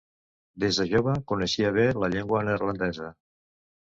Des de jove coneixia bé la llengua neerlandesa.